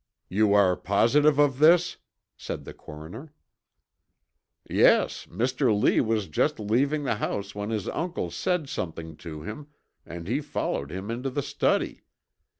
"You are positive of this?" said the coroner. "Yes, Mr. Lee was just leaving the house when his uncle said something to him and he followed him into the study.